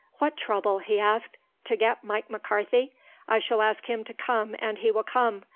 "What trouble?" he asked "To get Mike McCarthy? I shall ask him to come and he will come.